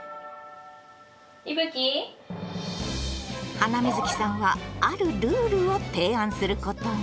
ハナミズキさんはあるルールを提案することに。